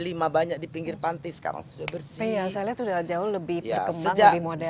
lima banyak di pinggir pantai sekarang sudah bersih ya saya lihat sudah jauh lebih berkembang lebih modern